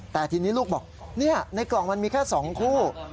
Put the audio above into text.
แต่ทีนี้ลูกบอกในกล่องมันมีแค่๒คู่